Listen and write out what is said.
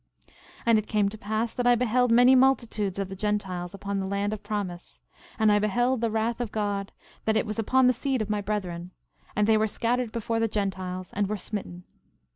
13:14 And it came to pass that I beheld many multitudes of the Gentiles upon the land of promise; and I beheld the wrath of God, that it was upon the seed of my brethren; and they were scattered before the Gentiles and were smitten.